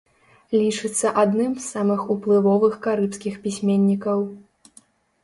Лічыцца адным з самых уплывовых карыбскіх пісьменнікаў.